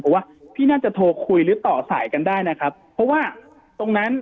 เพราะว่าพี่น่าจะโทรคุยหรือต่อสายกันได้นะครับเพราะว่าตรงนั้น